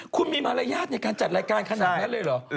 คุณมีมารยาทในการจัดรายการขนาดนั้นเลยเหรอ